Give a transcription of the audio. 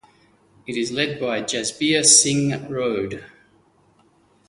It is led by Jasbir Singh Rode.